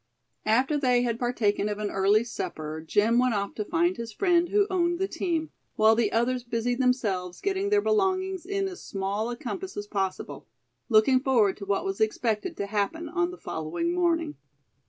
After they had partaken of an early supper Jim went off to find his friend who owned the team, while the others busied themselves getting their belongings in as small a compass as possible, looking forward to what was expected to happen on the following morning.